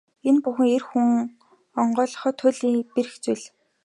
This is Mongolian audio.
Энэ бүхэн эр хүн ойлгоход туйлын бэрх зүйл.